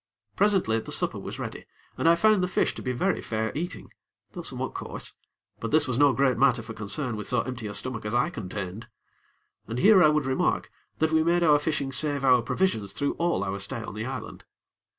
Presently, the supper was ready, and I found the fish to be very fair eating; though somewhat coarse; but this was no great matter for concern with so empty a stomach as I contained. And here I would remark, that we made our fishing save our provisions through all our stay on the island.